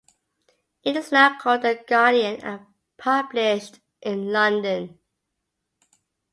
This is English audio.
It is now called "The Guardian" and published in London.